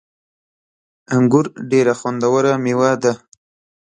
انګور ډیره خوندوره میوه ده